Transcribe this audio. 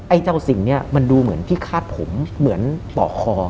ไอ้เจ้าสิ่งนี้มันดูเหมือนที่คาดผมเหมือนป่อคอ